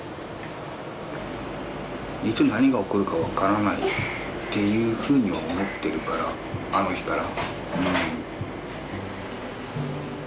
いつ何が起こるかわからないっていうふうには思ってるからあの日から。